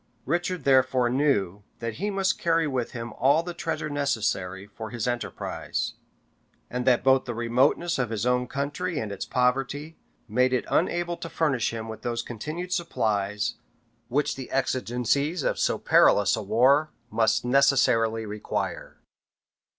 Richard therefore knew that he must carry with him all the treasure necessary for his enterprise, and that both the remoteness of his own country and its poverty, made it unable to furnish him with those continued supplies, which the exigencies of so perilous a war must necessarily require.